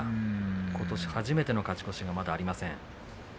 ことし初めての勝ち越しがまだありません。